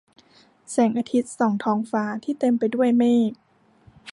แสงอาทิตย์ส่องท้องฟ้าที่เต็มไปด้วยเมฆ